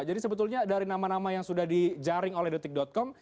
jadi sebetulnya dari nama nama yang sudah dijaring oleh the tick com